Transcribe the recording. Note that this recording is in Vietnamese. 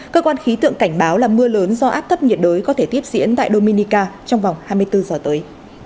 cơ quan khí tượng cảnh báo là mưa lớn do áp thấp nhiệt đới có thể tiếp diễn tại dominica trong vòng hai mươi bốn giờ tới